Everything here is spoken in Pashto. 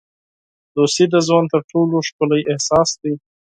دوستي د ژوند تر ټولو ښکلی احساس دی.